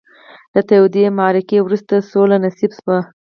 له تودې معرکې وروسته سوله نصیب شوې وي.